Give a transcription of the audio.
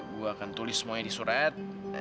gue akan tulis semuanya di surat